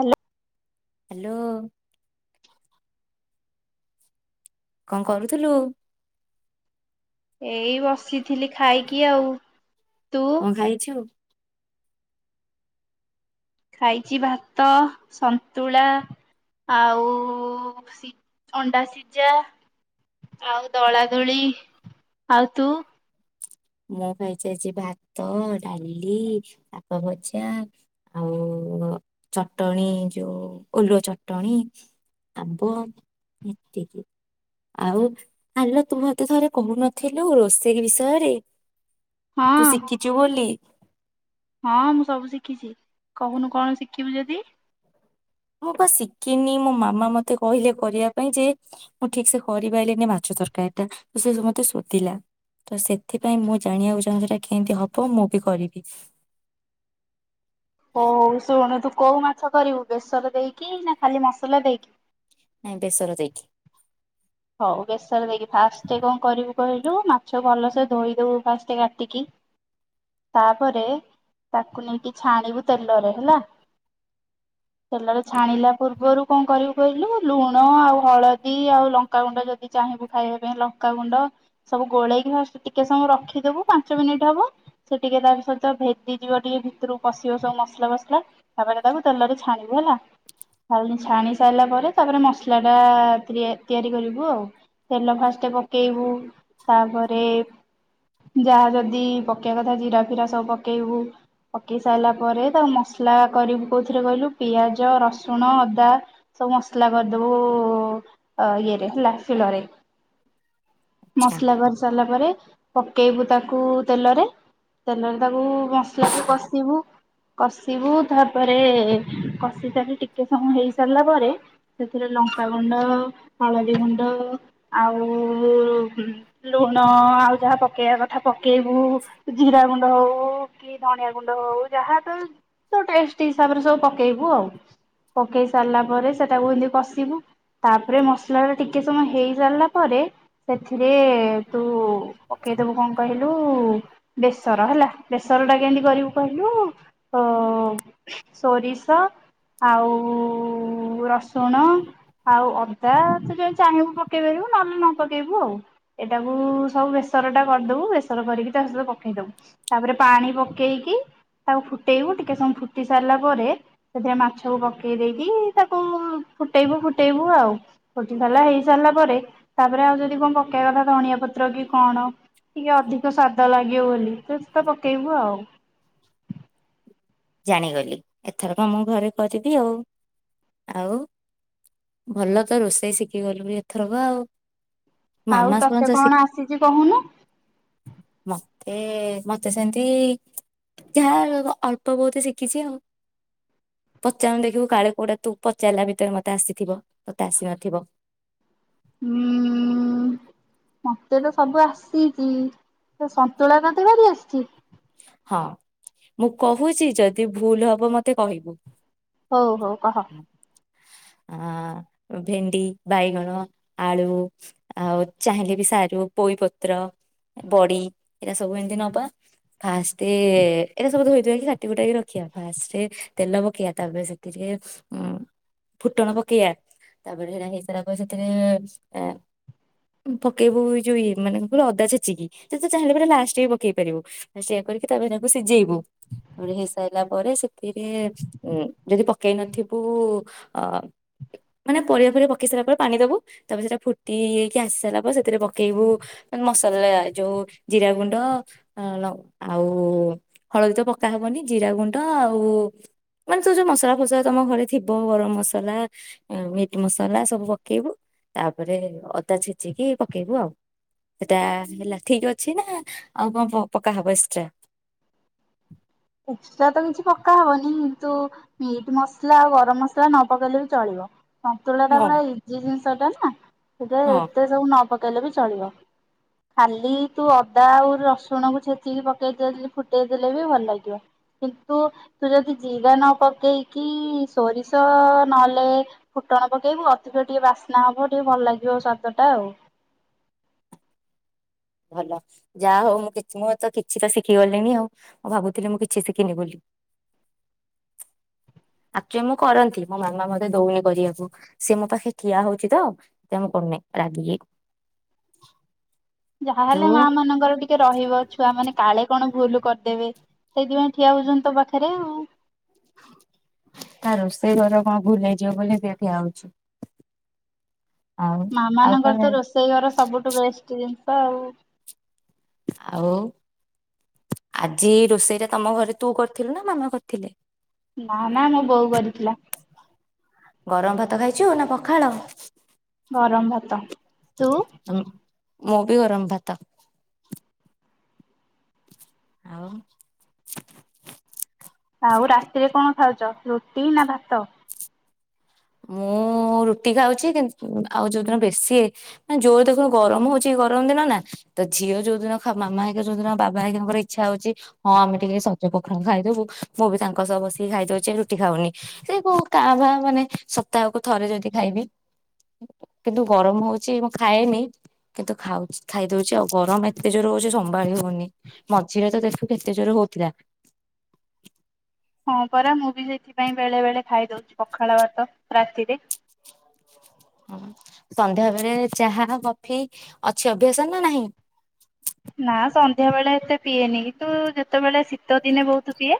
Hello. ମାଲୋ। କଁ କରୁଥିଲୁ? ଏଇ ବସି ଥିଲି ଖାଇକି ଆଉ। ତୁ? କଣ ଖାଇଛୁ? ଖାଇଚି ଭାତ ସନ୍ତୁଳା ଆଉ ସି ଅଣ୍ଡା ସିଜା ଆଉ ଦଳା ଦୁଳି ଆଉ ତୁ? ମୁଁ ଖାଇଚି ଆଜି ଭାତ, ଡାଲି, ସାଗ ଭଜା ଆଉ ଚଟଣିୀ ଯୋଉ ଓଲୁଅ ଚଟଣିୀ ଆମ୍ବ ଏତିକି ଆଉ ଆଲୋ ତୁ ମତେ ଥରେ କହୁନଥୁଲୁ ରୋଷେଇ ବିଷୟରେ? ହଁ ତୁ ଶିଖିଚୁ ବୋଲି ହଁ ମୁଁ ସବୁ ଶିଖିଛି କହୁନୁ କଣ ଶିଖିବୁ ଯଦି। ମୁଁ ପା ଶିକିନି ମୋ ମାମା ମତେ କହିଲେ କରିବା ପାଇଁ ଯେ ମୁଁ ଠିକ୍ ସେ କରିପାଇଲିନି ମାଛ ତର୍କାରିଟା ତ ସେ ମତେ ଶୋଦିଲା ତ ସେଥିପାଇଁ ମୁଁ ଜାଣିବାକୁ ଚାହୁଁଛି ଏଟା କେଁତି ହବ ମୁଁ ବି କରିବି। ହୋଉ ହୋଉ ଶୁଣୁ ତୁ କୋଉ ମାଛ କରିବୁ ବେସର ଦେଇକି ନା ଖାଲି ମସଲା ଦେଇକି? ନାଇଁ ବେସର ଦେଇକି। ହୋଉ ବେସର ଦେଇକି ଫାଷ୍ଟେ କଁ କରିବୁ କହି ଡୁ ମାଛ ଭଲସେ ଧୋଇଦବୁ ଫାଷ୍ଟେ କାଟିକି ତାପରେ ତାକୁ ନେଇକି ଛାଣିବୁ ତେଲରେ ହେଲା ତେଲରେ ଛାଣିଲା ପୂର୍ବରୁ କଁ କରିବୁ କହିଲୁ ଲୁଣ ଆଉ ହଳଦୀ ଆଉ ଲ ଲଙ୍କାଗୁଣ୍ଡ ଯଦି ଚାହିଁବୁ ଖାଇବା ପାଇଁ ଲଙ୍କାଗୁଣ୍ଡ ସବୁ ଗୋଳେଇକି ଜଷ୍ଟ୍ ଟିକେ ସମୟ ରଖିଦେବୁ ପାଞ୍ଚ ମିନିଟ୍ ହବ ସେ ଟିକେ ତା ସହିତ ଭେଦିଯିବ ଟିକେ ଭିତରୁକୁ ପଶିବ ସବୁ ମସଲା ଫସଲା ତାପରେ ତାକୁ ତେଲରେ ଛାଣିବୁ ହେଲା ଛାଣି ସାରିଲା ପରେ ତାପରେ ମସଲା ଟା ଟିକେ ତିଆରି କରିବୁ ତେଲ ଫାଷ୍ଟେ ପକେଇବୁ। ତାପରେ ଯାହା ଯଦି ପକେଇବା କଥା ଜିରା ଫିରା ସବୁ ପକେଇବୁ ପକେଇ ସାଇଲା ପରେ ତାକୁ ମସଲା କରିବୁ କୋଉଥିରେ କହିଲୁ ପିଆଜ ରସୁଣ ଅଦା ସବୁ ମସଲା କରିଦୋବୁ ଅ ଇଏରେ ହେଲା ସିଳରେ। ଆଚ୍ଛା ମସଲା କରି ସାରିଲା ପରେ ପକେଇବୁ ତାକୁ ତେଲରେ ତେଲରେ ତାକୁ ମସଲା କୁ କଷିବୁ କଷିବୁ ତାପରେ କଷି ସାରି ଟି ଟିକେ ସମୟ ହେଇ ସାରିଲା ପରେ ସେ ଥିରେ ଲଙ୍କାାଗଣ୍ଡ ହଳଦୀ ଗୁଣ୍ଡ ଆଉ ଲୁ ଲୁଣ ଆଉ ଯାହା ପକେଇବା କଥା ପକେଇବୁ ଜିରା ଗୁଣ୍ଡ ହୋଉ କି ଧଣିଆ ଗୁଣ୍ଡ ହଉ ଯାହା ତୋ ତୋ ଟେଷ୍ଟ୍ ହିସାବରେ ସବୁ ପକେଇବୁ ଆଉ। ପକେଇ ସାରିଲା ପରେ ସେଟାକୁ ଏମିତି କଷିବୁ ତାପରେ ମସ୍ ଟିକେ ସମୟ ହେଇ ସାରିଲା ପରେ ସେଥି ରେ ତୁ ପକାଇଦୋବୁ କଁ କହିଲୁ ବେସର ହେଲା ବେସର ଟା କେମିତି କରିବୁ କହିଲୁ ଉ ସୋରିଷ ଆଉ ରସୁଣ ଆଉ ଅଦା ସେ ଯଦି ଚାହିଁବୁ ପକେଇ ପାରିବୁ ନହେଲେ ନ ପକେଇବୁ ଆଉ, ଏଇଟାକୁ ସବୁ ବେସର ଟା କରିଦବୁ ବେସର କରିକି ତା ସହିତ ପକେଇଦବୁ ତାପରେ ପାଣି ପକେଇକି ତାକୁ ଫୁଟେଇବୁ, ଟିକେ ସମୟ ଫୁଟି ସାରିଲା ପରେ ସେଥିରେ ମାଛକୁ ପକେଇ ଦେଇକି ତାକୁ ଫୁଟେଇବୁ ଫୁଟେଇବୁ ଆଉ। କୋଟିନାଲା ହେଇ ସାରିଲା ପରେ ତା ତାପରେ ଆଉ ଯଦି କଣ ପକେଇବା କଥା ଧନିଆ ପତ୍ର କି କଣ ଟିକେ ଅଧିକ ସ୍ଵାଦ ଲା ଇଏ ବୋଲି ପେସ୍ତା ପକେଇବୁ ଆଉ। ଜାଣିଗଲି ଏଥରକ ମୁଁ ଘରେ କରିବି ଆଉ। ଆଉ ଭଲ ତ ରୋଷେଇ ଶିଖିଗଲୁ ଏଥରକ ଆଉ। ଆଉ ମାମା ତତେ ଶିଖ କଣ ଆସିଛି କହୁନୁ। ଏ ମତେ ସେମତି ଯାହା ଅଳ ଗପ ବହୁତ ଶିଖିଛି ଆଉ ପଚାରନୁ ଦେଖିବୁ କାଳେ କୋଉଟା ତୁ ପଚାରିଲା ଭିତରେ ମତେ ଆସିଥିବ ମତେ ଆସି ନଥିବ। ହୁଁ ମତେ ତ ସବୁ ଆସିଛି ସନ୍ତୁଳା ତତେ କରିଆସିଛି। ହଁ ମୁଁ କହୁଛି ଯଦି ଭୁଲ ହବ ମତେ କହିବୁ। ହଉ ହଉ କହ। ଆଉ ଭେଣ୍ଡି ବାଇଗଣ ଆଳୁ ଆଉ ଚାହିଁଲେ ବି ସାରୁ ପୋଇପତର ବଡି ଏଇଟା ସବୁ ଏମିତି ନବା ଫାଷ୍ଟେ ଏଇରା ସବୁ ଧୋଇଧୂଆକି କାଟିକୁଟାକି ରଖିବା ଫାଷ୍ଟେ ତେଲ ପକେଇବା ତାପରେ ସେଥିରେଫୁଟଣ ପକେଇବା ତାପରେ ହେରା ହେଇସାରିଲା ପରେ ସେଥିରେ ପକେଇବୁ ଯଉ ମାନେ ଇଏ ମାନେ ଅଦାଚେଛିକି ସେ ଚାହିଁଲେ ପୁରାଲାଷ୍ଟରେ ପକେଇ ପାରିବୁ। ଆ କରିକି ତାପରେ ତାକୁ ସିଝେଇବୁ ତାପରେ ସି ସାଇିଲା ପରେ ସେଥିରେ ଯଦି ପକେଇ ନଥିବୁ ଅ ମାନେ ପରିବା ଫିବା ପକେଇ ସାରିଲା ପରେ ପାଣି ଦବୁ ତାପରେ ସେଟା ଫୁଟିକି ଆସି ସାରିଲା ପରେ ସେଥିରେ ପକେଇବୁ ମସଲା ଯୋଉ ଜିରା ଗୁଣ୍ଡ ଲଙ୍କା ଆଉ ହଳଦୀ ତ ପକା ହବନି ଜିରା ଗୁଣ୍ଡ ଆଉ ମାନେ ଯୋଉ ଯୋଉ ମସଲା ଫସଲା ତମ ଘରେ ଥିବ ଗରମ ମସଲା ମିଟ୍ ମସଲା ସବୁ ପକେଇବୁ ତାପରେ ଅଦା ଛେଚିକି ପକେଇବୁ ଆଉ ସେଟା ହେଲା ଠିକ ଅଛି ନା ଆଉ କଣ ପକାହବ। ଆଛା ଏକଶଟାର ତ କିଛି ପକା ହବନି କିନ୍ତୁ ମିଟ୍ ମସଲା ଆଉ ଗରମ ମସଲା ନ ପକେଇଲେ ବି ଚଳିବ। ସନ୍ତୁଳା ଟ ହଁ ପୁରା ଇଜି ଜିନିଷ ଟା ନା ସେଟା ହଁ ଏତେ ସବୁ ନ ପକେଇଲେ ବି ଚଳିବ ଖାଲି ତୁ ଅଦା ଆଉ ରସୁଣ କୁ ଛେଚିକି ପକେଇ ଦେଲେ ପୁଟେ ଫଟେଇଦେଲେ ବି ଭଲ ଲାଗିବ କିନ୍ତୁ ତୁ ଯଦି ଜିରା ନ ପକେଇକି ସୋରିଷ ନହେଲେ ଫୁଟଣ ପକେଇବୁ ଅଧିକ ଟିକେ ବାସ୍ନା ହବ ଟିକେ ଭଲ ଲାଗିବ ସ୍ୱାଦଟା ଆଉ ଭଲ ଯାହା ହଉ ମୁଁ ମୁଁ ତ କିଛି ତ ଶିଖି ଗଲିଣି ଆଉ ମୁଁ ଭାବୁଥିଲି ମୁଁ କିଛି ଶିଖିନି ବୋଲି ଆ ମୁଁ କରନ୍ତି ମୋ ମାମା ମତେ ଦଉନି କରିବାକୁ ସି ମୋ ପାଖେ କଠିଆ ହଉଛି ତ ସେ ମୁଁ କରୁନି ରାଗିକି। ତୁ ଯାହାହେଲେ ମା ମାନଙ୍କର ଟିକେ ରହିବ ଛୁଆ ମାନେ କାଳେ କଣ ଭୁଲ କରିଦେବେ ସେଇଥିପାଇଁ ଠିଆ ହଉଛନ୍ତି ତୋ ପାଖରେ ଆଉ ନାଁଇ ରୋଷେଇ ଘରେ କଣ ଭୁଲେଇଯିବ ବୋଲି ଠିଆ ହଉଛି। ଆଉ ମା ଆଉ ମାନଙ୍କର କଣ ତ ରୋଷେଇ ଘର ସବୁଠୁ ବେଷ୍ଟ ଜିନିଷ ହଁଆଉ ଆଉ ଆଜି ରୋଷେଇ ଟା ତମ ଘରେ ତୁ କରିଥିଲୁ ନା ମାମା କରିଥିଲେ? ନା ନା ମୋ ବୋଉ କରିଥିଲା ଗରମ ଭାତ ଖାଇଛୁ ନା ପଖାଳ ଗରମ ଭାତ ତୁ? ମୁଁ ବି ଗରମ ଭାତ। ଆଉ ଆଉ ରାତିରେ କଣ ଖାଉଛ ରୁଟି ନା ଭାତ ମୁଁ ରୁଟି ଖାଉଛି ଆଉ ଯୋଉ ଦିନ ବେଶିନେ ଯୋର ଦେଖନ୍ତୁ ଗରମ ହଉଛି ଗରମ ଦିନ ନା ତ ଝିଅ ଯୋଉ ଦିନ ମାମା ହକ ଯୋଉଦିନ ବାବା ଆକଙ୍କର ଇଚ୍ଛା ହଉଛି ହଁ ଆମେ ଟିକେ ସଜ ପଖାଳ ଖାଇଦବୁ ମୁଁ ବି ତାଙ୍କ ସହ ବସିକି ଖାଇଦଉଛି ରୁଟି ଖାଉନି ସେ କଉ କାଭାଁ ମାନେ ସପ୍ତାହକୁ ଥରେ ଯଦି ଖାଇବି କିନ୍ତୁ ଗରମ ହଉଛି ମୁଁ ଖାଏନି କିନ୍ତୁ ଖାଉ ଖାଇଦଉଛି ଆଉ ଗରମ ଏତେ ଜୋର ହଉଛି ସମ୍ଭାଳି ହଉନି ମଝିରେ ତ ଦେଖୁଚୁ ଏତେ ଜୋର ହଉଥିଲା ହଁ ପରା ମୁଁ ବି ସେଥିପାଇଁ ବେଳେ ବେଳେ ଖାଇଦଉଛି ପଖାଳ ଭାତ ରାତିରେ। ହଁ ସନ୍ଧ୍ୟା ବେଳେ ଚାହା କଫି ଅଛି ଅଭ୍ୟାସ ନା ନାହିଁ। ନା ସନ୍ଧ୍ୟା ବେଳେ ଏତେ ପିଏନି ତୁ ଯେତେବେଳେ ଶୀତ ଦିନେ ବହୁତ ପିଏ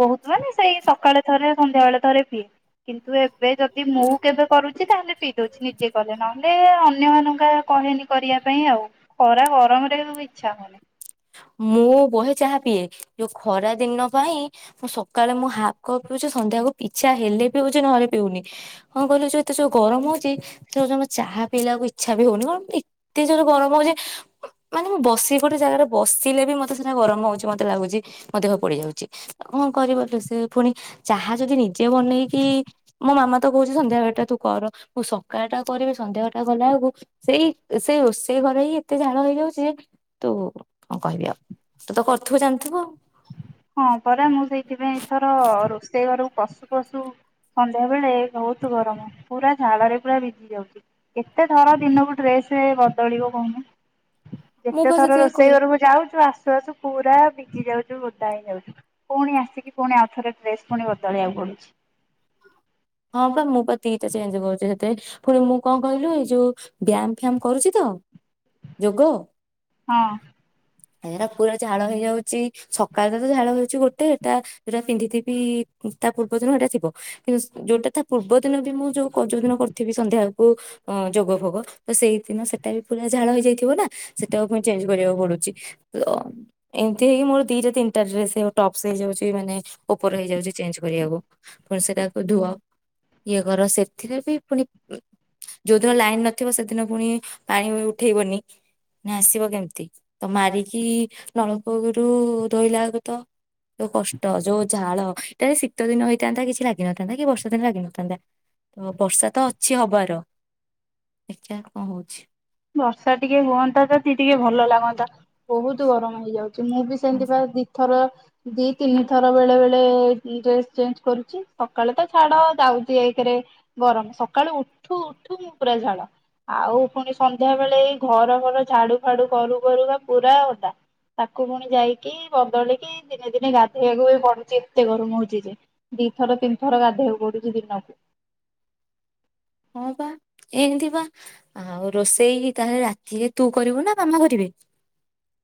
ବହୁତ ମାନେ ସେଇ ସକାଳେ ଥରେ। ସନ୍ଧ୍ୟାବେଳେ ଥରେ ପିଏ କିନ୍ତୁ ଏବେ ଯଦି ମୁଁ କେବେ କରୁଛି ତାହେଲେ ପିଏ। ଉଛି ନିଜେ କଲେ ନା ଲେ ଅନ୍ୟମାନାନଙ୍କ କହେନି କରିବା ପାଇଁ ଆଉ ଖରା ଗରମ ସେମ୍ ଇଚ୍ଛା ମୋର ମୁଁ ବହେ ଚାହା ପିଏ ଯୋଉ ଖରା ଦିନ ପାଇଁ ମୁଁ ସକାଳେ ମୁଁ ହାଫ୍ କପ୍ ପିଉଛି ସନ୍ଧ୍ୟାକୁ ଇଛା ହେଲେ ପିଉଛି ନହେଲେ ପିଉନି କଣ କହିଲି ଯୋଉ ଏତେ ଯୋଉ ଗରମ ହଉଛି ସେ ଚାହା ପିଇବାକୁ ଇଚ୍ଛା ବି ହଉନି କ ଏତେ ଯୋଉ ଗରମ ହଉଛି ମାନେ ମୁଁ ବସି ଗୋଟେ ଜାଗାରେ ବସିଲେ ବି ମତେ ସିନା ଗରମ ହଉଛି ମତେ ଲାଗୁଛି ମୋ ଦେହ ପୋଡି ଯାଉଛି କଣ କରିିବାରିବ ସେ ପୁଣି ଚାହା ଯଦି ନିଜେ ବନେଇକି ମୋ ମାମା ତ କହୁଛି ସନ୍ଧ୍ୟାଵେଳଟା ତୁ କର ମୁଁ ସକାଳ ଟା କରିବି ସନ୍ଧ୍ୟା ଘଟା ଗଲା ବଳକୁ ସେଇ ସେ ସେ ଘରେ ହିଁ ଏତେ ଝାଳ ହେଇଯାଉଛି ଯେ ତୁ ହଁ କହିବି ଆଉ ତୁ ତ କରିୁଥିବୁ ଜାଣିଥିବୁ ଆଉ ହଁ ପରା ମୁଁ ସେଇଥିପାଇଁ ଏଥର ରୋଷେଇ ଘରକୁ ପଶୁ ପଶୁ ସନ୍ଧ୍ୟା ବେଳେ ବହୁତ ଗରମ ପୁରା ଝାଳରେ ପୁରା ଭିଜି ଯାଉଛି କେତେ ଥର ଦିନକୁ ଡ୍ରେସ ବଦଳିବ କହୁନୁ। ମୁଁ ଯେତେ ପା ଥର ସେଥିପାଇଁ ରୋଷେଇ କହି ଘରକୁ ଯାଉଛୁ ଆସ ଆସୁ ଆସୁ ପୁରା ଭିଜି ଯାଉଛୁ। ଓଦା ହେଇ ଯାଉଛି ପୁଣି ଆସିକି ପୁଣି ଆଉଥରେ ଡ୍ରେସ ପୁଣି ବଦଳିବାକୁ ପଡୁଛି। ହଁ ବା ମୁଁ ବା ଦିଟା ଚେଞ୍ଜ କରୁଛି ସେତେ ପୁଣି ମୁଁ କଣ କହିଲୁ ଏଇ ଯୋଉ ବ୍ୟାୟାମ ଫ୍ୟାାମ କରୁଛି ତ ଯୋଗ। ହଁ। ଏଟା ପୁରା ଝାଳ ହେଇଯାଉଛି ସକାଳ ତ ଝାଳ ହେଉଛି ଗୋଟେ ଏଟା ଯଉଟା ପିନ୍ଧିଥିବି ତା ପୂର୍ବ ଦିନ ଏଇଟା ଥିବ କିନ୍ତୁ ଯୋଉଟା ତା ପୂର୍ବ ଦିନ ବି ମୁଁ ଯୋଉ ଯୋଉ ଦିନ କରିଥିବି ସନ୍ଧ୍ୟାବେଳକୁ ଯୋଗ ଭୋଗ ତ ସେଇ ଦିନ ସେଟା ବି ପୁରା ଝାଳ ହେଇଯାଇଥିବ ନା ସେଟାକୁ ପୁଣି ଚେଞ୍ଜ କରିବାକୁ ପଡୁଛି ତ ଏମିତି ହେଇକି ମୋର ଦିଟା ତିନିଟା ଡେସ୍ ଟପ୍ସ୍ ହେଇଯାଉଛି ମାନେ ଉପର ହେଇଯାଉଛି ଚେଞ୍ଜ କରିବାକୁ ପୁଣି ସେଟା ଧୁଅ ଇଏ କର ସେଥିରେ ବି ପୁଣି ଯୋଉଦିନ ଲାଇନ ନଥିବ ସେଦିନ ପୁଣି ପାଣି ଉଠେଇବନି ନା ଆସିବ କେମିତି ତ ମାରିକି ନଳକୂଅରୁ ଧୋଇଲା ବେଳକୁ ତ ଯୋଉ କଷ୍ଟ ଯୋଉ ଝାଳ ଏ ଶୀତ ଦିନ ହେଇଥାନ୍ତା କିଛି ଲାଗି ଲାଗିନଥାନ୍ତା କି ବର୍ଷା ଦିନ ଲାଗିିନଥାନ୍ତା ତ ବର୍ଷା ତ ଅଛି ହବାର ଦେଖିଆ କଣ ହଉଛି? ବର୍ଷା ଟିକେ ହୁଅନ୍ତା ଯଦି ଟିକେ ଭଲ ଲାଗନ୍ତା। ବହୁତ ଗରମ ହେଇଯାଉଛି ମୁଁ ବି ହଁ ସେମିତି ବା ଦିଇଥର ଦି ତିନି ଥର ବେଳେ ବେଳେ ଡ୍ରେସ ଚେଞ୍ଜ କରୁଛି ସକାଳେ ତ ଛାଡ ଯାଉଛି ଏକରେ ଗରମ ସକାଳୁ ଉଠୁ ଉଠୁ ମୁଁ ପୁରା ଝାଳ ଆଉ ପୁଣି ସନ୍ଧ୍ୟା ବେଳେ ଏଇ ଘର ଘର ଝାଡୁ ଫାଡୁ କରୁ କରୁ ବା ପୁରା ଅଦା ତାକୁ ପୁଣି ଯାଇକି ବଦଳିକି ଦିନେ ଦିନେ ଗାଧେଇବାକୁ ବି ପଡୁଛି ଏତେ ଗରମ ହଉଛି ଯେ ଦିଥର ତିନି ଥର ଗାଧେଇବାକୁ ପଡୁଛି ଦିନକୁ। ହଁ ବା ଏ ଏମିତି ବା ଆଉ ରୋଷେଇ ତାହେଲେ ରାତି ରେ ତୁ କରିବୁ ନା ମାମା କରିବେ।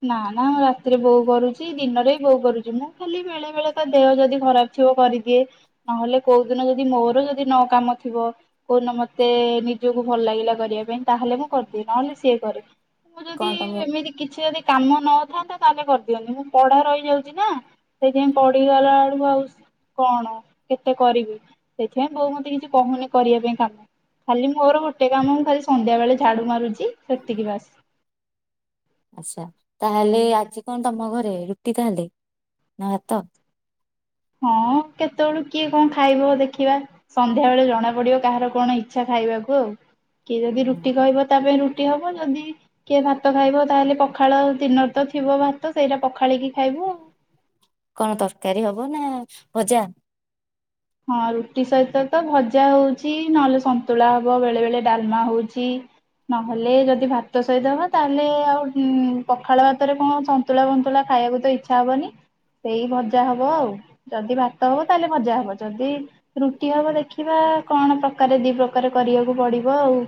ନା ନା ରାତିରେ ବୋଉ କରୁଛି ଦିନରେ ବି ବୋଉ କରୁଛି ମୁଁ ଖାଲି ବେଳେ ବେଳେ ତ ଦେହ ଯଦି ଖରାପ ଥିବ କରିଦିଏ ନହେଲେ କୋଉ ଦିନ ଯଦି ମୋର ଯଦି ନ କାମ ଥିବ କୋଉଦିନ ମତେ ନିଜକୁ ଭଲ ଲାଗିଲା କରିବା ପାଇଁ ତାହେଲେ ମୁଁ କରିଦିଏ ନହେଲେ ସିଏ କରେ। ମୁଁ ଯଦି କଣ ତମ ଏମିତି କିଛି ଯଦି କାମ ନଥାନ୍ତା ତାହେଲେ କରିଦିଅନ୍ତୁ ମୁଁ ପଢା ରହିଯାଉଛି ନା ସେଇଥିପାଇଁ ପଢିଗଲା ବେଳକୁ ଆଉ କଣ କେତେ କରିବି ସେଥିପାଇଁ ବୋଉ ମତେ କିଛି କହୁନି କରିବା ପାଇଁ କାମ ଖାଲି ମୋର ଗୋଟେ କାମ ମୁଁ ଖାଲି ସନ୍ଧ୍ୟା ବେଳେ ଝାଡୁ ମାରୁଛି ସେତିକି ବାସ। ଆଚ୍ଛା ତାହେଲେ ଆଜି କଣ ତମ ଘରେ ରୁଟି ତାହେଲେ ନା ଭାତ? ହଁ କେତେବେଳୁ କିଏ କଣ ଖାଇବ ଦେଖିବା ସନ୍ଧ୍ୟା ବେଳେ ଜଣା ପଡିବ କାହାର କଣ ଇଚ୍ଛା ଖାଇବାକୁ ଆଉ। କିଏ ଯଦି ନା ରୁଟି କହିବ ତା ପାଇଁ ରୁ ହବ ଯଦି କିଏ ଭାତ ଖାଇବ ତାହେଲେ ପଖାଳ ଦିନର ତ ଥିବ ଭାତ ସେଇଟା ପଖାଳିକି ଖାଇବୁ ଆଉ। କଣ ତରକାରୀ ହବ ନା ଭଜା? ହଁ ରୁଟି ସହିତ ତ ଭଜା ହଉଛି ନହେଲେ ସନ୍ତୁଳା ହବ ବେଳେ ବେଳେ ଡାଲମା ହଉଛି ନହେଲେ ଯଦି ଭାତ ସହିତ ହବ ତାହେଲେ ଆଉ ପଖାଳ ଭାତରେ କଣ ସନ୍ତୁଳା ବନ୍ତୁଳା ଖାଇବାକୁ ତ ଇଚ୍ଛା ହବନି ସେଇ ଭଜା ହବ ଆଉ ଯଦି ଭାତ ହବ ତାହେଲେ ଭଜା ହବ। ଯଦି ରୁଟି ହବ ଦେଖିବା କଣ ପ୍ରକାରେ ଦି ପ୍ରକାରେ କରିବାକୁ ପଡିବ ଆଉ।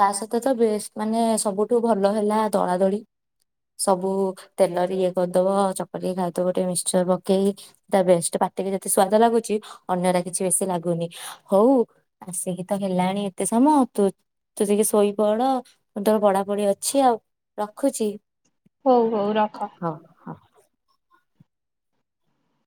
ତା ସହିତ ତ ବେଷ୍ଟ ମାନେ ସବୁଠୁ ଭଲ ହେଲା ଦଳା ଦଳି ସବୁ ତେଲରେ ଇଏ କରିଦବ ଚକଟି ଖାଇଦବ ଟିକେ ମିକ୍ସଚର ପକେଇ ତା ବେଷ୍ଟ ପାଟିକି ଯେତେ ସ୍ଵାଦ ଲାଗୁଛି ଅନ୍ୟ ଟା କିଛି ବେଶୀ ଲାଗୁନି ହଉ ଆସିକି ତ ହେଲାଣି ଏତେ ସମୟ ତୁ ତୁ ଟିକେ ଶୋଇପଡ ମୁଁ ତର ପଢାପଢି ଅଛି ଆଉ ରଖୁଛି। ହଉ ହଉ ରଖ। ହଉ।